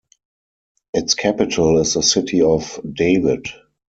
Its capital is the city of David.